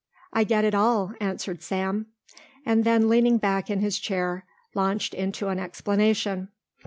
"I get it all," answered Sam, and then leaning back in his chair launched into an explanation.